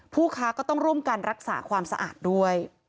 ผู้ค้าก็ต้องร่วมกันรักษาความสะอาดด้วย